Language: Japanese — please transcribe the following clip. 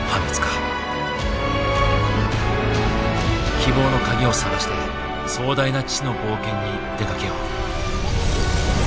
希望の鍵を探して壮大な知の冒険に出かけよう。